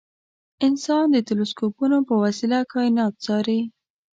انسان د تلسکوپونو په وسیله کاینات څاري.